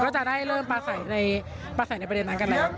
ก็จะได้เริ่มประสัยในประเทศนั้นกันแหละ